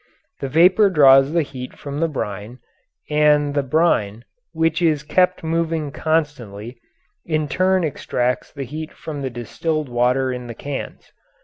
The vapour draws the heat from the brine, and the brine, which is kept moving constantly, in turn extracts the heat from the distilled water in the cans.